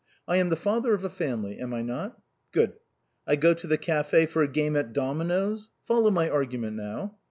I am the father of a family, am I not ? Good. I go to the café for a game at dominoes ? Follow my argument now."